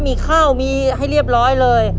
มีข้าวมีให้เรียบร้อยเลย